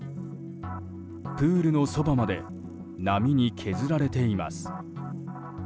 プールのそばまで波に削られています。